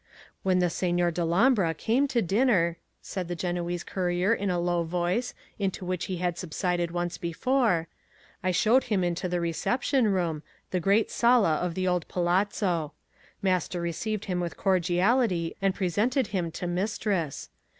When the Signor Dellombra came to dinner (said the Genoese courier in the low voice, into which he had subsided once before), I showed him into the reception room, the great sala of the old palazzo. Master received him with cordiality, and presented him to mistress.